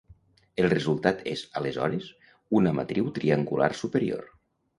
El resultat és, aleshores, una matriu triangular superior.